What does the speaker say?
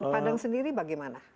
padang sendiri bagaimana